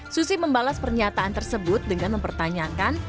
susi membalas pernyataan tersebut dengan mempertanyakan